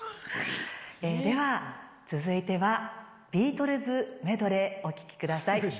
では続いては、ビートルズメドレー、お聴きください。